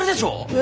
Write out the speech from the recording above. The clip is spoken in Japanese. え？